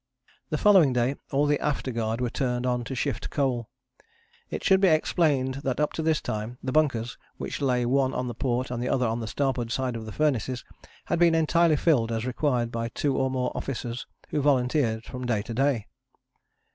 The following day all the afterguard were turned on to shift coal. It should be explained that up to this time the bunkers, which lay one on the port and the other on the starboard side of the furnaces, had been entirely filled as required by two or more officers who volunteered from day to day.